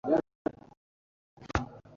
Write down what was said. imbeba eshatu zihumye nizayoborana hagati yazo